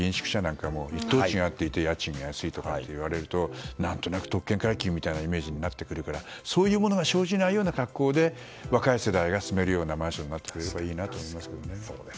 東京都内でいうと議員宿舎は一等地にあって家賃が安いといわれると何となく特権階級みたいなイメージになってくるからそういうものが生じないような格好で若い世代が住めるようなマンションになってほしいですね。